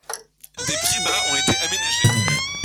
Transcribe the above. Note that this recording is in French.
Des près bas ont été aménagés.